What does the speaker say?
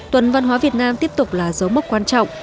tuần văn hóa việt nam tiếp tục là dấu mốc quan trọng